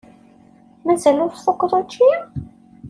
Mazal ur tfukkeḍ učči?